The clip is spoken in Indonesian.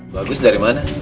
bagus dari mana